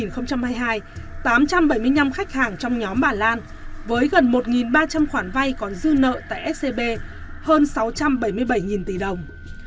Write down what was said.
năm hai nghìn hai mươi hai tám trăm bảy mươi năm khách hàng trong nhóm bà lan với gần một ba trăm linh khoản vay còn dư nợ tại scb hơn sáu trăm bảy mươi bảy tỷ đồng